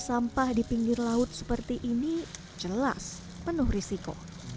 sampah di pinggir laut seperti ini jelas penuh risiko